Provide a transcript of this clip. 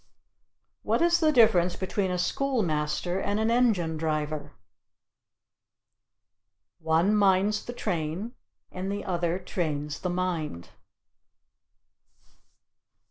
What is the difference between a schoolmaster and an engine driver? One minds the train and the other trains the mind.